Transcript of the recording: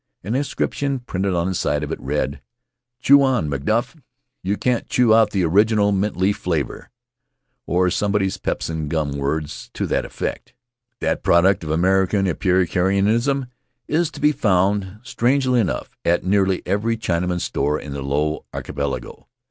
An inscription printed on the side of it read: "Chew on, MacDuff! You can't chew out the original mint leaf flavor" of somebody's pepsin gum — words to that effect. That product of American epicurean Faery Lands of the South Seas ism is to be found, strangely enough, at nearly every Chinaman's store in the Low Archipelago.